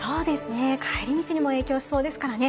帰り道にも影響しそうですからね。